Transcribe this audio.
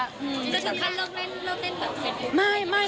แล้วถ้าเลือกเล่นเลือกเล่นแบบเฟสบุ๊คไปเลย